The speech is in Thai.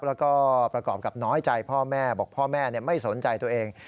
แล้วก็ประกอบกับน้อยใจพ่อแม่บอกพ่อแม่ไม่สนใจตัวเอง